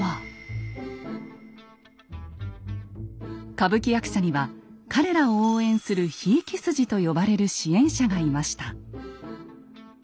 歌舞伎役者には彼らを応援する「ひいき筋」と呼ばれる支援者がいました。